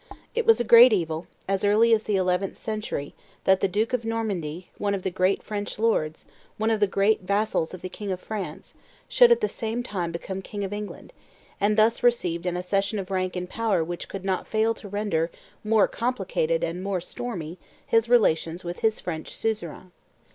It was a great evil, as early as the eleventh century, that the duke of Normandy, one of the great French lords, one of the great vassals of the king of France, should at the same time become king of England, and thus receive an accession of rank and power which could not fail to render more complicated and more stormy his relations with his French suzerain.